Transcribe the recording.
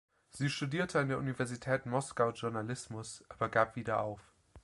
Sie studierte an der Universität Moskau Journalismus, aber gab wieder auf.